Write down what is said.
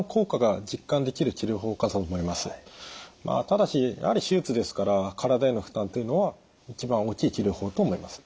ただしやはり手術ですから体への負担というのは一番大きい治療法と思います。